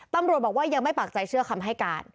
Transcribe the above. ตำรวจบอกว่ายังไม่ปากใจเชื่อคำให้การ